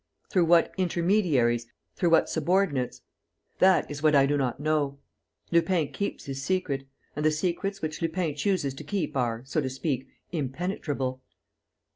Through what intermediaries, through what subordinates? That is what I do not know. Lupin keeps his secret; and the secrets which Lupin chooses to keep are, so to speak, impenetrable.